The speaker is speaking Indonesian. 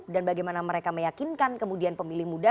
dan bagaimana mereka meyakinkan kemudian pemilih muda